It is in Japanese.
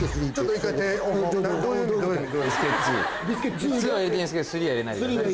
ツーは入れていいんですけどスリーは入れないで。